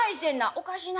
「おかしいな。